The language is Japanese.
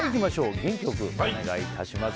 元気良くお願いします。